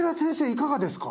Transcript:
いかがですか？